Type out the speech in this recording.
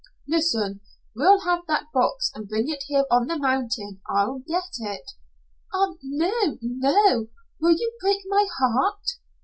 "Listen. We'll have that box, and bring it here on the mountain. I'll get it." "Ah, no! No. Will you break my heart?"